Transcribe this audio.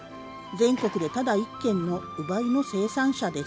全国でただ一軒の烏梅の生産者で